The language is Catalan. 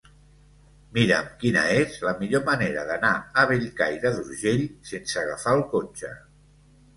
Mira'm quina és la millor manera d'anar a Bellcaire d'Urgell sense agafar el cotxe.